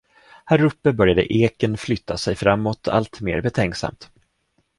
Häruppe började eken flytta sig framåt alltmer betänksamt.